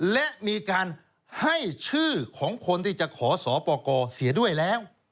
และมีการให้ชื่อของคนที่จะขอสอปกรเสียด้วยแล้ว